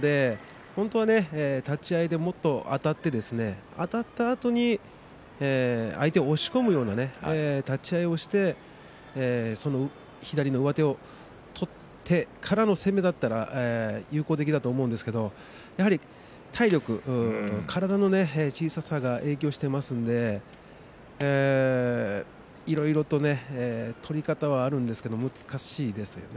本当は立ち合いでもっとあたってあたったあとに相手を押し込むような立ち合いをしてその左の上手を取ってからの攻めだったら有効的だと思うんですけどやはり体力、体の小ささが影響していますのでいろいろと取り方はあるんですけれど難しいですね。